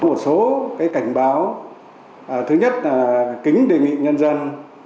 một số cảnh báo thứ nhất là kính đề nghị nhân dân